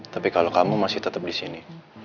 tapi kalau kamu masih tetap disini